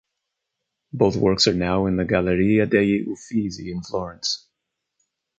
Both works are now in the Galleria degli Uffizi in Florence.